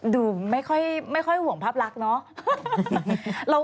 ดูไม่ค่อยห่วงภาพรักเนอะ